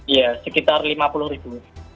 ya sekitar lima puluh ribu